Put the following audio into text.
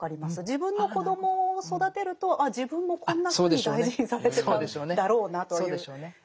自分の子供を育てるとあっ自分もこんなふうに大事にされてたんだろうなという。